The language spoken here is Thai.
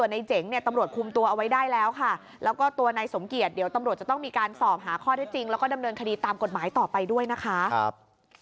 นี่ต่อไปด้วยนะคะครับ